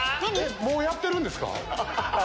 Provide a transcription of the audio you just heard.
もうやってるんですか？